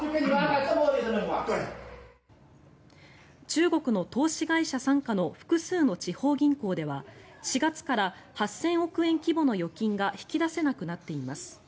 中国の投資会社傘下の複数の地方銀行では４月から８０００億円規模の預金が引き出せなくなっています。